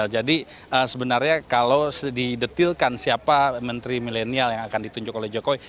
jadi sebenarnya kalau didetilkan siapa menteri milenial yang akan ditunjuk oleh jokowi